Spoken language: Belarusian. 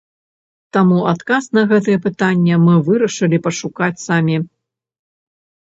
Таму адказ на гэтае пытанне мы вырашылі пашукаць самі.